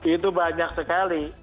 itu banyak sekali